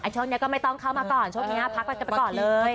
ช่วงนี้ก็ไม่ต้องเข้ามาก่อนช่วงนี้พักกันไปก่อนเลย